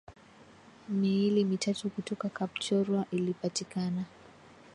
Miili mitatu kutoka Kapchorwa ilipatikana